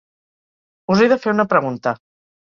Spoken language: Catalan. Us he de fer una pregunta.